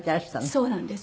そうなんです。